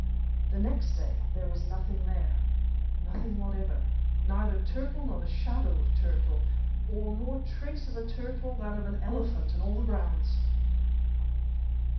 the next day there was nothing there, nothing whatever, neither turtle nor the shadow of turtle, or more trace of a turtle than of an elephant in all the grounds!